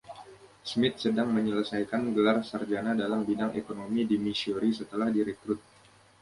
Smith sedang menyelesaikan gelar sarjana dalam bidang Ekonomi di Missouri setelah direkrut.